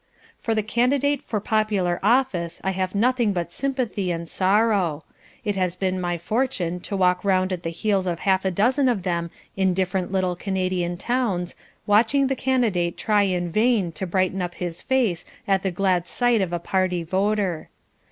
For the candidate for popular office I have nothing but sympathy and sorrow. It has been my fortune to walk round at the heels of half a dozen of them in different little Canadian towns, watching the candidate try in vain to brighten up his face at the glad sight of a party voter.